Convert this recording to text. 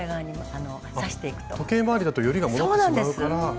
時計回りだとよりが戻ってしまうから。